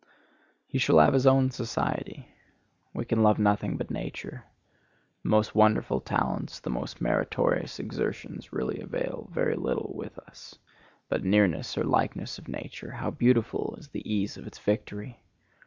He shall have his own society. We can love nothing but nature. The most wonderful talents, the most meritorious exertions really avail very little with us; but nearness or likeness of nature,—how beautiful is the ease of its victory!